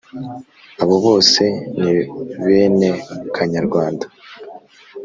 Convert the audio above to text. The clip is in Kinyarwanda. abo bose ni benekanyarwanda